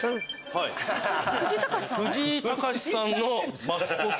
藤井隆さんのマスコット。